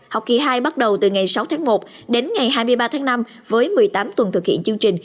học kỳ hai bắt đầu từ ngày sáu tháng một đến ngày hai mươi ba tháng năm với một mươi tám tuần thực hiện chương trình